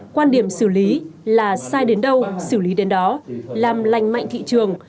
quan điểm xử lý là sai đến đâu xử lý đến đó làm lành mạnh thị trường